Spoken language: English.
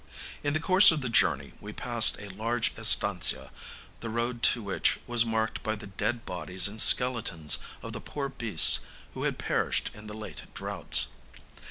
In the course of the journey we passed a large estancia, the road to which was marked by the dead bodies and skeletons of the poor beasts who had perished in the late droughts.